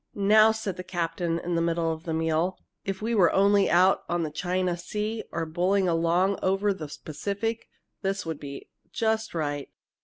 "Now," said the captain, in the middle of the meal, "if we were only out on the China Sea or bowling along over the Pacific, this would be just right.